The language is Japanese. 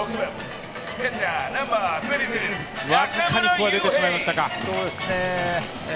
僅かにここは出てしまいましたか。